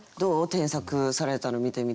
添削されたの見てみて。